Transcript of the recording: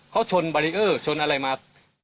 เขาชนบารีเออร์ชนอะไรมา